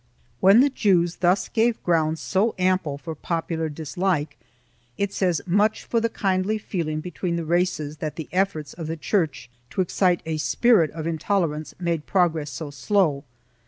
1 When the Jews thus gave grounds so ample for popular dis like, it says much for the kindly feeling between the races that the efforts of the Church to excite a spirit of intolerance made progress so slow.